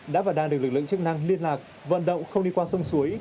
đã và đang được lực lượng chức năng liên lạc vận động không đi qua sông suối